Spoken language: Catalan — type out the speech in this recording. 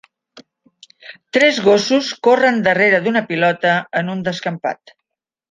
Tres gossos corren darrere d'una pilota en un descampat.